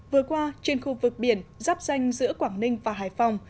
vừa qua trên khu vực biển giáp danh giữa quảng ninh và hải phòng